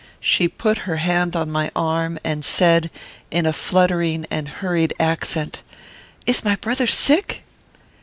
She put her hand on my arm, and said, in a fluttering and hurried accent, "Is my brother sick?"